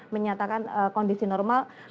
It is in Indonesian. menyatakan kondisi normal